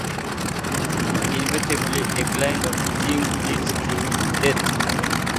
Inevitably, decline of jing leads to death.